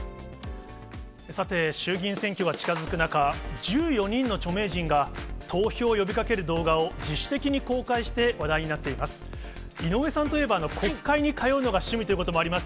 さて、衆議院選挙が近づく中、１４人の著名人が、投票を呼びかける動画を自主的に公開して話題になっています。